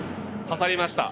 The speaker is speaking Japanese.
刺さりました。